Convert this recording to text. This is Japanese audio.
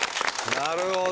なるほど。